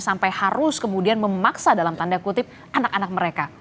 sampai harus kemudian memaksa dalam tanda kutip anak anak mereka